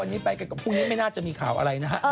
วันนี้ไปกันกับพรุ่งนี้ไม่น่าจะมีข่าวอะไรนะฮะ